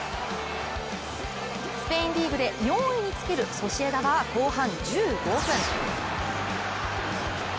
スペインリーグで４位につけるソシエダは前半１５分。